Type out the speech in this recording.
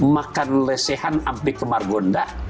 makan lesehan sampai ke margonda